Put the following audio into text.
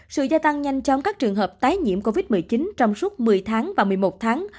sự gia tăng nhanh chóng các trường hợp tái nhiễm covid một mươi chín trong suốt một mươi tháng và một mươi một tháng